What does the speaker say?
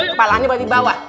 kepalanya boleh dibawa